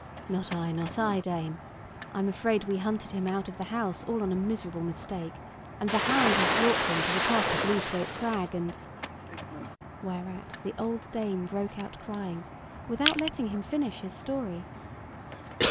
"Not I, not I, dame. I'm afraid we hunted him out of the house all on a miserable mistake, and the hound has brought him to the top of Lewthwaite Crag, and—" Whereat the old dame broke out crying, without letting him finish his story.